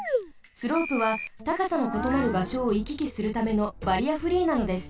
スロープはたかさのことなるばしょをいききするためのバリアフリーなのです。